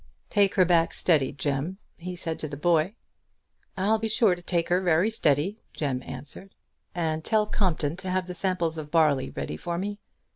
"Take her back steady, Jem," he said to the boy. "I'll be sure to take her wery steady," Jem answered. "And tell Compton to have the samples of barley ready for me.